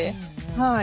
はい。